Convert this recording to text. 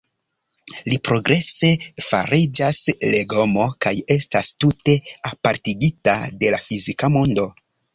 Li progrese fariĝas legomo, kaj estas tute apartigita de la fizika mondo.